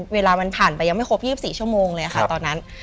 เวลามันผ่านไปยังไม่ครบ๒๔ชั่วโมงเลยค่ะตอนนั้น